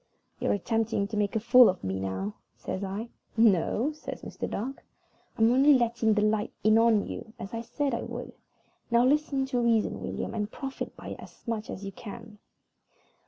"You're attempting to make a fool of me now," says I. "No," says Mr. Dark, "I'm only letting the light in on you, as I said I would. Now listen to reason, William, and profit by it as much as you can.